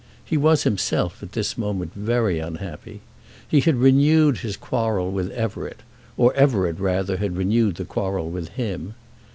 He was himself at this moment very unhappy. He had renewed his quarrel with Everett, or Everett rather had renewed the quarrel with him.